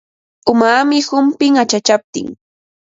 Umaami humpin achachaptin.